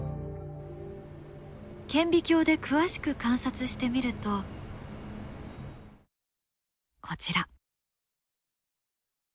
顕微鏡で詳しく観察してみるとこちら。